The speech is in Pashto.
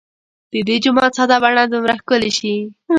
د دې جومات ساده بڼه دومره ښکلې شي.